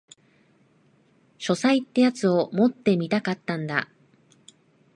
書斎ってやつを持ってみたかったんだ